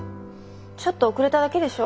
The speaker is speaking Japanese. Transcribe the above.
ちょっと遅れただけでしょ。